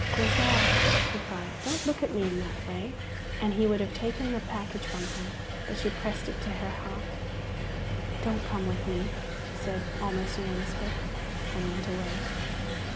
"Grizel," he cried, "don't look at me in that way!" And he would have taken the package from her, but she pressed it to her heart. "Don't come with me," she said almost in a whisper, and went away.